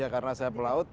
ya karena saya pelaut